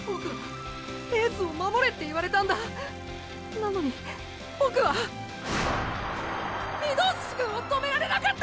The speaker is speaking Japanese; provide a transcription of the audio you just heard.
なのにボクは御堂筋くんを止められなかった！